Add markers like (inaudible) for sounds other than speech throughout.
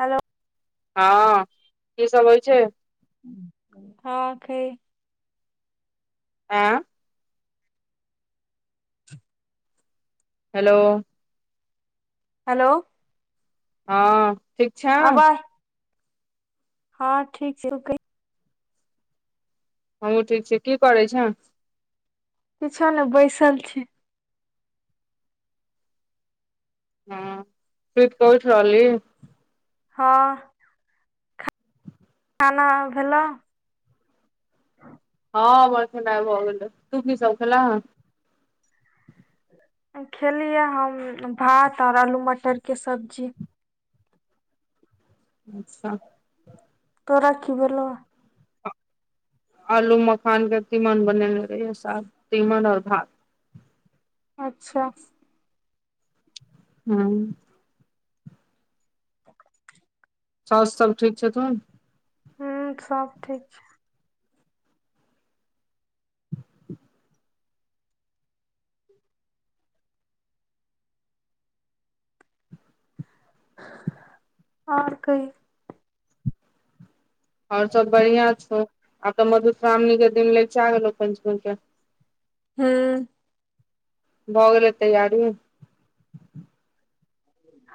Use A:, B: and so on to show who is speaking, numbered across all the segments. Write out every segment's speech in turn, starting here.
A: Hello- -
B: हँ की सब होइ छै।
A: हँ खैइ- -
B: एऽ हेलो- -
A: हेलो
B: हँ ठीक छें।
A: आवाज हँ ठीक छै।
B: हमूँ ठीक छी, की करैं छे।
A: किछो नहि बैसल छी।
B: हँ सुत के उठि रहल ली।
A: हँ खाना भेलो। (inaudible)
B: हँ हमर खेनाय भ गेलय, तू की सभ खेलें हें।
A: खेलियै हम भात और आलू मटरके सब्जी।
B: अच्छा
A: तोरा की भैलो।
B: आलू मखान के तीमन बनेनेे रहय साग, तीमन और भात।
A: अच्छा
B: हँ
A: (inaudible)
B: साॅस सभ ठीक छठुन।
A: हुं सब ठीक छै। और कही।
B: और सब बढ़ियां छौ, आब तऽ मधुश्रावणी के दिन लगचा गेलो, पंचमी के
A: हुं
B: भऽ गेलै तैयारी।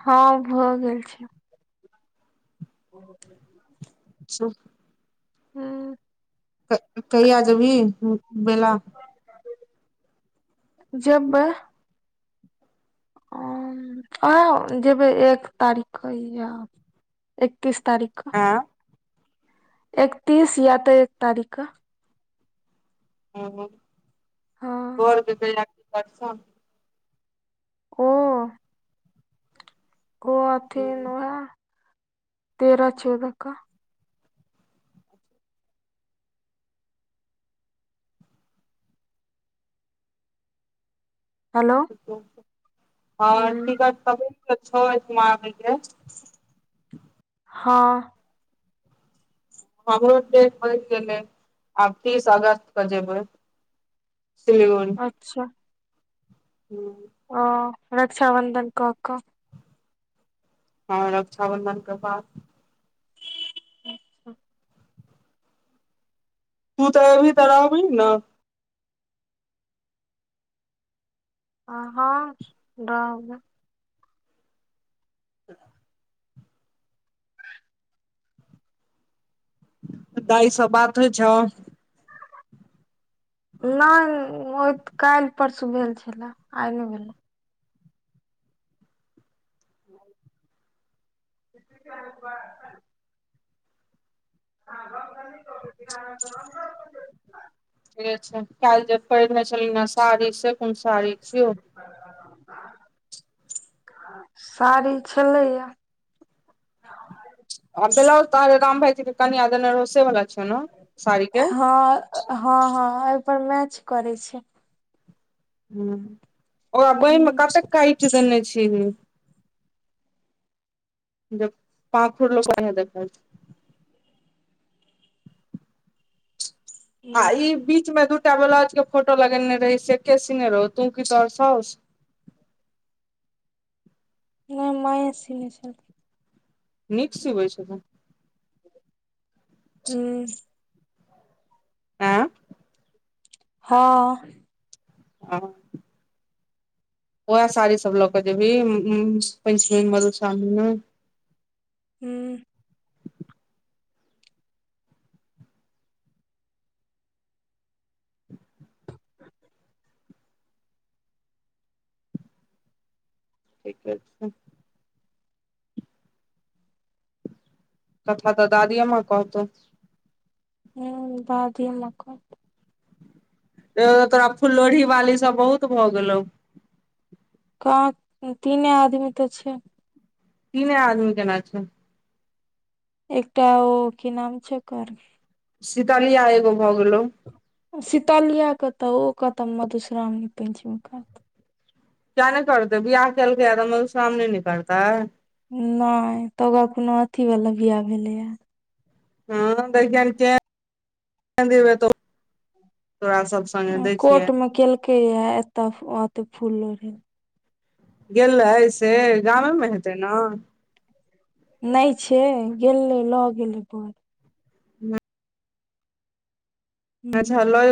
A: हँ भऽ गेल छै। (inaudible)
B: (unintelligible)
A: हुं
B: कहिया जेभी बेला।
A: जेबय उहे जेबै एक तारीख क या एकतीस तारिख क।
B: ऐं
A: एकतीस या तऽ एक तारीख क।
B: ओ
A: हँ
B: बर के कहिया के टिकट छनि।
A: ओ कथीन वैह तेरह चौदह क। हलो
B: हं टिकट त बनि गेल छो (unintelligible)
A: हँ
B: हमरो डेट बढि गेलै, आब तीस अगस्त क जेबै। सिलीगुड़ी
A: अच्छा
B: हूँ
A: ओ रक्षाबन्धन क क।
B: ह रक्षाबंधन के बाद।
A: (unintelligible)
B: तू तऽ एबही तऽ रहबीहिन नऽ?
A: आ हँ रहबै।
B: (inaudible) दाय सॅं बात होय छौ?
A: नै मूक काल्हि परसू भेल छले आइ नै भेलए। (inaudible) हँ (inaudible)
B: ठीक छै काइल्ह जे पहिरने छलहीन ह साड़ी से कोन साड़ी छियौ?
A: साड़ी छलैये।
B: आ बेलौज तऽ हरेराम भाइजी के कनीया देने रहौ सेे बला
A: हँ हँ हँ अइ पर मैच करै छै।
B: हूॅं ओकरा बांहि
A: हूँ
B: मे
A: हूँ
B: कतेक काटि देने छीही। जे पाँखुड़ लोक के ओनहिये देखाइ छै। आ ई बीच में दूटा बलाउज के फोटो लगेने रही से के सीने रहौ तू की तोरह साउस?
A: नै मांए सीने छलखिन।
B: नीक सीबै छथुन।
A: हूॅं।
B: आँ
A: हँ।
B: (inaudible) उएह साड़ी सब लऽ कऽ जेबही उउ पंचमी मधुश्रावणी मे।
A: हूँ।
B: ठीके छै। कथा तऽ दादीये माँ कहतौ।
A: हूँ दादीये माँ कहतै।
B: एंह तोरा फुलोढ़ी बाली सब बहुत भऽ गेलौ।
A: कहाँ तीने आदमी तऽ छै।
B: तीने आदमी केना छै।
A: एकटा ओ कि नाम छै ओकर
B: शीतलिया एगो भऽ गेलौ।
A: शीतलिया कतऽ ओ कतऽ मधुश्रामणी पंचमी करतौ।
B: किया नै करतै बियाह केलकैये त मधुश्रामणी नै करतय।
A: नै त ओकरा कोनो अथी बला बियाह भेलैये।
B: हूँ देखीहेन केहेन (unintelligible) दिन मे एतौ तोरा सब स
A: उ कोर्ट मे केलकैये एतऽ ओ एतै फूल लोरहय ले।
B: गेललै से गामे म हेतै नऽ।
A: नै छै गेललै लऽ गेलै बड़। हुं
B: अच्छा लऽ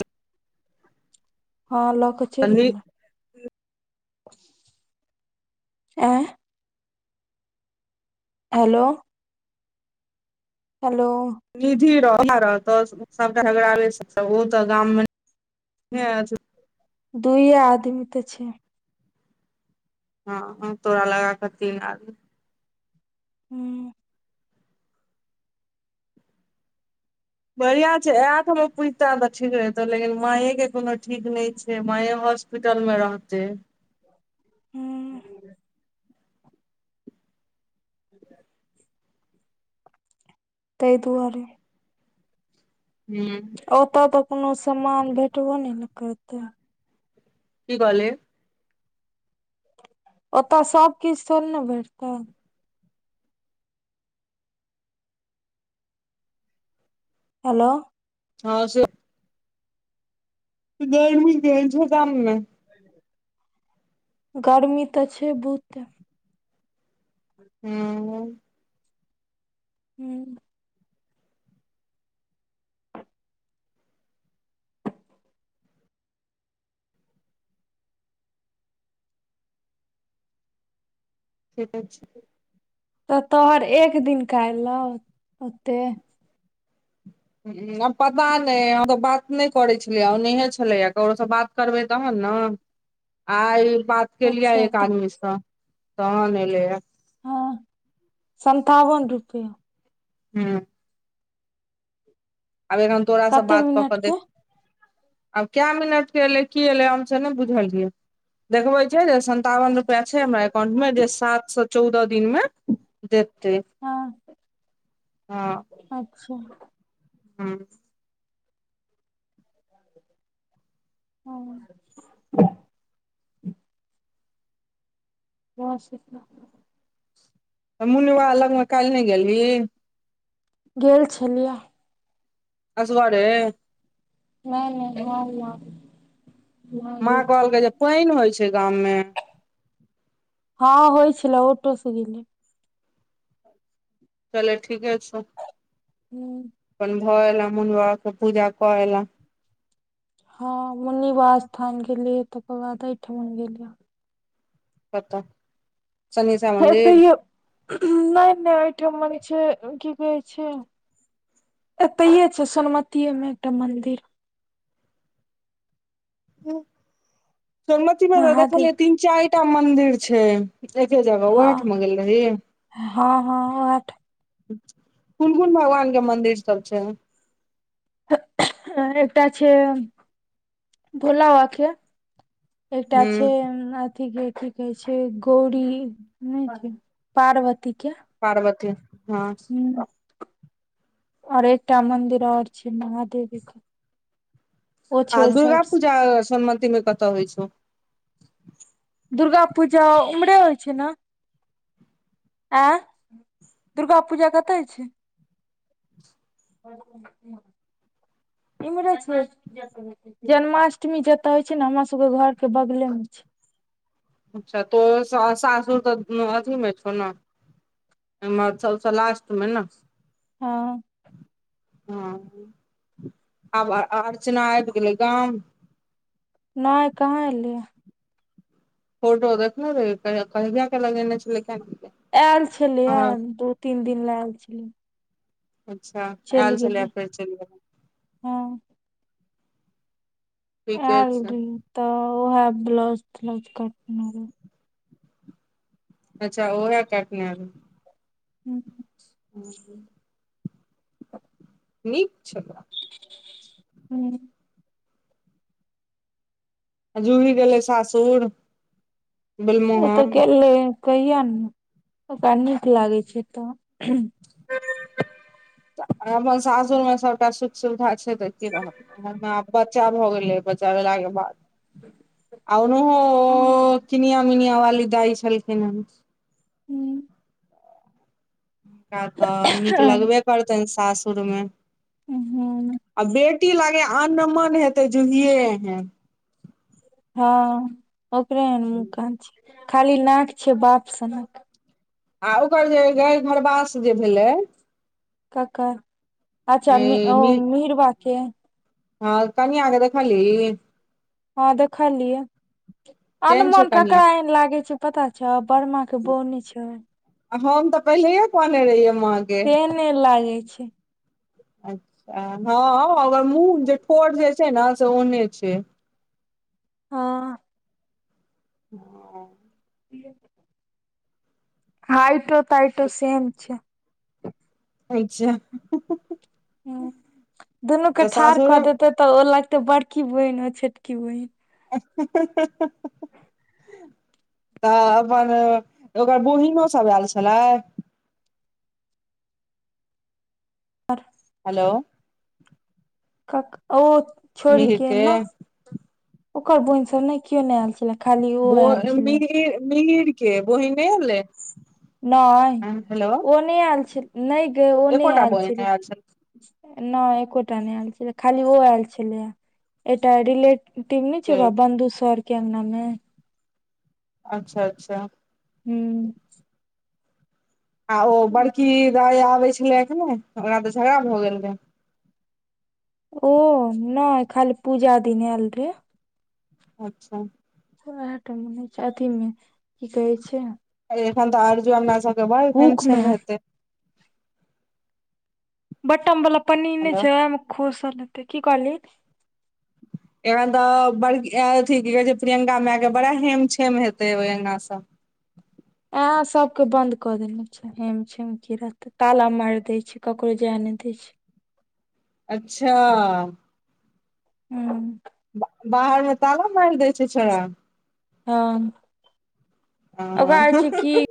A: हँ लऽ कऽ चलि गेलै। आँ हेलो, हेलो,
B: निधि रह -रहतौ सबटा झगड़ाबे सब छै ओ तऽ गाम मे (unintelligible)
A: दुइये आदमी तऽ छै।
B: हँ तोरा लगा कऽ तीन आदमी।
A: हूँ।
B: बढ़िआँ छै आयत हम पुछताे तऽ ठीक रहतै, लेकिन माॅंएके के कोनो ठीक नहि छै माए हास्प हॉस्पिटल मे रहतै।
A: ह (inaudible) हूँ। ह (inaudible) तै दुआरे।
B: हूं।
A: ओतऽ तऽ कोनो समान भेटबो नहि ने करतै।
B: की कहलियै।
A: ओतऽ सबकिछ थोड़े ने भेटतै। हेलो।
B: हँ से। गर्मी केहेन छै गाम में।
A: गरमी तऽ छै बहुते।
B: हूं।
A: हूँ।
B: ठीके छै।
A: तऽ तोहर एक दिन कलौ ओते।
B: ह आ पता नै हम तऽ बात नै करै छलियै, नहे छलैया ककरो सँ बात करबै तहन ने आ ई बात। केलिये
A: अच्छा
B: एक
A: तऽ
B: आदमीसँ तहन एलै हे।
A: हँ सन्तावन रुपया।
B: हूँ। आब एखन तोरासँ
A: कते
B: बात कऽ
A: मिनट
B: केऽ देख
A: के
B: आब कै मिनट के एले, की एले हमसे ने बुझलियै। देखबे छै, जे सन्तावन रुपआ छै हमरा एकाउंट मे जे सात सए चौदह दिन मे देतै
A: हँ
B: हँ।
A: ह
B: हूं।
A: हँ। (unintelligible)
B: तऽ मुनि बाबा लगमें काइल नै गेलहि।
A: गेल छलियै।
B: असगरे।
A: नै -नै हम माॅं।
B: माँ कहलके कि जे पाइन होइ छै गाम में।
A: हँ होइ छलै ओटो से गेलै।
B: चल ठीके छै।
A: हूं।
B: अपन भऽ एलैं मोन बाबा के पूजा क एलैं।
A: हँ मुन्नि बाब स्थान गेलियै, तकर बाद एठमन गेलियै।
B: कतऽ। सनेशा मंदिर
A: एतहियै नै-नै, अहिठाम छै कि कहै छै। एतेेहियै छै, सोनमति में एकटा मंदिर।
B: सोनमती में तऽ
A: महादेव
B: देखलियै तीन, चारिटा मन्दिर छै। (unintelligible) उहे
A: हँ
B: ठमा गेल रही
A: हँ हँ ओहे
B: कुन कुन भगवान के मंदिर सब छै
A: ह एकटा छै भोला आखे एकटा छै
B: हूँ
A: अं अथी के कि कहै छै गौरी नहि छै पार्वती के
B: पार्वती हँ
A: आओर एकटा मंदिर ओर छै महादेवी के ओ
B: आ
A: छै ओहि
B: दुर्गा
A: साइड
B: पूजा सोनमती मे कत होइ छौ
A: दुर्गा पूजा उमरे होइ छै न ऐं दुर्गा पूजा कतऽ अछै
B: (unintelligible)
A: इम्हरे छय जन्माष्टमी जतय होइ छै न हमरा सबके घर के बगले मे छै
B: अच्छा त सा-सासू तऽ अथि मे छौ न (unintelligible) सबस लास्ट मे न
A: हँ
B: हं आब अर्चना आबि गेलै गाम
A: नय कहाँ एलैए
B: फोटो देखने रहियइ कहिआ कहिया के लगेने छलै कियाने गेले
A: एल छलै ए दू तीन दिन लऽ एल छलय
B: अच्छा एल छलै फेर चलि गेलय
A: हँ
B: ठीके
A: एल
B: छै
A: रही त ओहे ब्लाउज त्लाउज कटने रहय
B: अच्छा ओहै कटने रहय
A: हू
B: हं नीक छल
A: हूँ
B: आ जुली गेलै सासुर
A: ओ तऽ
B: बिलमोहन
A: गेलै कहिया नय ओकरा नीक लागै छै तऽ
B: अपन सासुरमे सबटा सुख सुविधा छै तऽ के रहत (unintelligible) बच्चा भऽ गेलै बचा भेलाके बाद आ ओनहो
A: हूँ,
B: किनिया मिनिया वाली दाइ छलखिन हैं
A: हूँ
B: रा तऽ नीक लगबे करतनि सासुरमे
A: उ हूँ
B: आ बेटी लागे अन मन हेतै जुहिए एहन
A: हँ ओकरा एहन मुह कान छै खाली नाक छै बाप सनक
B: आ ओकर जे गाय घरबास जे भेलै
A: कका अच्छा ओ मि-मिरवा के
B: हँ कनिया के देखलही
A: हँ देखलियै
B: केहन
A: अनमन
B: छौ कनिया
A: ककरा एन लागे छै पता छ बर्मा के बौ नै छै
B: हम तऽ पहिलेहे कहने रहियै माँ के
A: तेहने लागै छै
B: अच्छा हाँ ओकर मुह जे ठोर जे छै ना से ओहने छै
A: हाँ
B: हाँ
A: हाइटो - ताइटो सेम छै।
B: अइछे।
A: हूँ दुनू के ठाड़
B: सासुरे
A: कऽ देते तऽ, ओ लगतै बड़की बहिन ओ छोटकी बहिन।
B: (unintelligible) तऽ अपन ओकर बहिनो सब ऐल छलै।
A: (unintelligible)
B: हलो
A: कक ओ छोरी के नाह ओकर बहिन सब नहि कियो नहि ऐल छलै।
B: बोए मीहि मिहिर के बहिन नहि ऐलै।
A: नहि ओ नहि ऐल छ नहि गै ओ नहि
B: एकोटा
A: ऐल
B: बहिन
A: छलै।
B: आयल
A: नहि एकोटा नहि ऐल छलै, खाली ओ ऐल छलै एकटा रिलेट टिभ नहि छै
B: छल
A: ओकरा बंधु सरके अँगनामे
B: अच्छा- अच्छा
A: हम्म
B: आ ओ बड़की दाइ आबै छलैया कि नहि, ओकरा तऽ झगड़ा भ गेल रहे।
A: ओ नहि खाली पूजा दिन ऐल रहे।
B: अच्छा
A: वैह टाइम मे ह‌इ छै, अथी मे कि कहै छै।
B: ए यै एखन तऽ आरजू अँगना सबके बड
A: हुक मे
B: हेमछेम हेतै।
A: बटम बला पन्नी नहि
B: हेलो
A: छै, ओइमे खोसल हेतै। कि कहलहि
B: एखन तऽ बड़ अथी कि कहै छै, प्रियंका मैंए के बड़ा हेम- छेम हेतै ओय अँगना स।
A: ओहै सबके बंन्द कऽ देने छै। हेम-छेम कि रहतै ताला माइर दै छै, ककरो जैए नहि दै छै।
B: अच्छा
A: हम्म
B: बा बाहर मे ताला माइर दै छै छोरा।
A: हँ ओकरा हइ
B: छौड़ा
A: छै कि